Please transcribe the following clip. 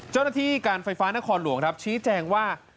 เจ้าหน้าที่การไฟฟ้านครหลวงครับชี้แจงว่า